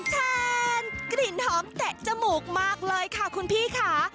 แทนกลิ่นหอมเตะจมูกมากเลยค่ะคุณพี่ค่ะ